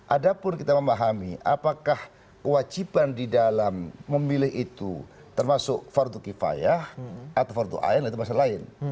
adapun kita memahami apakah kewajiban di dalam memilih itu termasuk farduqifayah atau farduqayah itu masalah lain